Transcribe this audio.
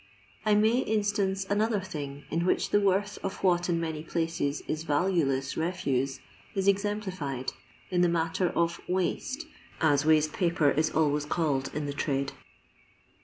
I may instance another thing in which the worth of what in many places is valueless refuse is exemplified, in the matter of " waste," as waste paper i/i always called in the trade.